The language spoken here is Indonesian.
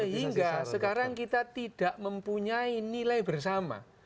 sehingga sekarang kita tidak mempunyai nilai bersama